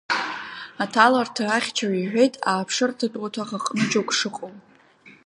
Аҭаларҭа ахьчаҩ иҳәеит ааԥшырҭатә уаҭах аҟны џьоук шыҟоу.